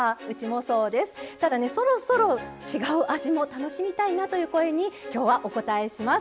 ただねそろそろ違う味も楽しみたいなという声にきょうはお応えします。